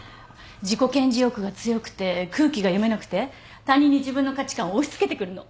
自己顕示欲が強くて空気が読めなくて他人に自分の価値観を押し付けてくるの。